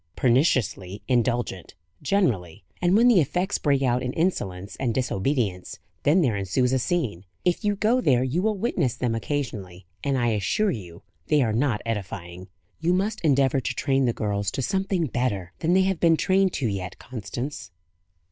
"Perniciously indulgent, generally; and when the effects break out in insolence and disobedience, then there ensues a scene. If you go there you will witness them occasionally, and I assure you they are not edifying. You must endeavour to train the girls to something better than they have been trained to yet, Constance."